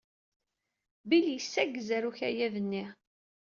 Bill yessaggez ɣer ukayad-nni.